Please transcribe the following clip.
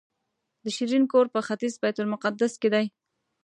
د شیرین کور په ختیځ بیت المقدس کې دی.